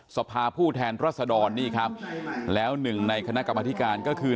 สภาผู้แทนรัศดรนี่ครับแล้วหนึ่งในคณะกรรมธิการก็คือ